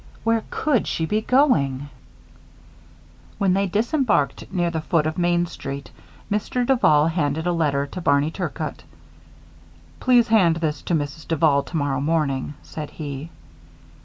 Where could she be going? When they disembarked near the foot of Main Street, Mr. Duval handed a letter to Barney Turcott. "Please hand this to Mrs. Duval tomorrow morning," said he.